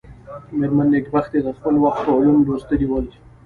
مېرمن نېکبختي د خپل وخت علوم لوستلي ول.